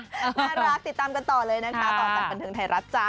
น่ารักติดตามกันต่อเลยนะคะต่อจากบันเทิงไทยรัฐจ๊ะ